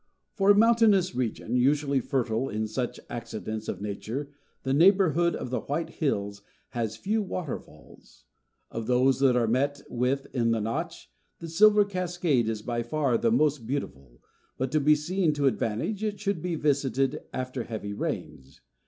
For a mountainous region, usually fertile in such accidents of nature, the neighbourhood of the "White Hills" has few waterfalls; of those that are met with in the "Notch," the Silver Cascade is by far the most beautiful; but to be seen to advantage it should be visited after heavy rains.